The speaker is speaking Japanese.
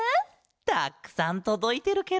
たっくさんとどいてるケロ。